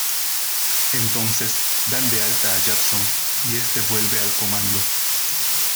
Entonces dan de alta a Jackson y este vuelve al Comando.